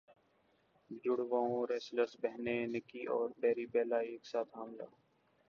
جڑواں wrestler بہنیں Nikki اور بری بیلا ایک ساتھ حاملہ